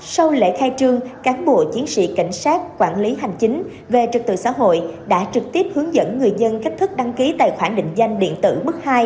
sau lễ khai trương cán bộ chiến sĩ cảnh sát quản lý hành chính về trật tự xã hội đã trực tiếp hướng dẫn người dân cách thức đăng ký tài khoản định danh điện tử mức hai